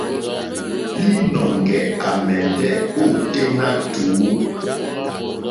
Līnɔ̄ŋgɛ̄ à mɛ̀ndɛ́ ôténá tùú.